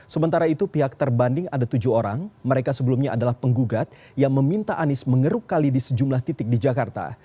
sementara itu pihak terbanding ada tujuh orang mereka sebelumnya adalah penggugat yang meminta anies mengeruk kali di sejumlah titik di jakarta